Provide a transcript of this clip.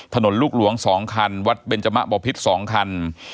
ลูกหลวง๒คันวัดเบนจมะบ่อพิษ๒คัน